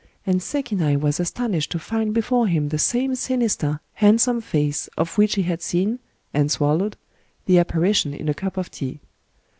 And Sekinai was astonished to find before him the same sinister, handsome fiice of which he had seen, and swallowed, the apparition in a cup of tea.